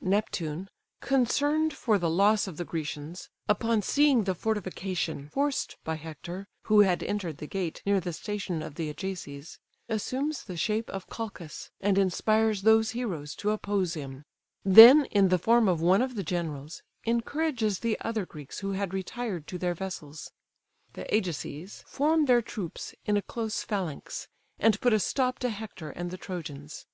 Neptune, concerned for the loss of the Grecians, upon seeing the fortification forced by Hector, (who had entered the gate near the station of the Ajaces,) assumes the shape of Calchas, and inspires those heroes to oppose him: then, in the form of one of the generals, encourages the other Greeks who had retired to their vessels. The Ajaces form their troops in a close phalanx, and put a stop to Hector and the Trojans.